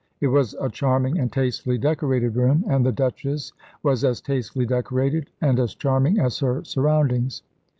It was a charming and tastefully decorated room, and the Duchess was as tastefully decorated and as charming as her surroundings.